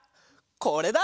これだ！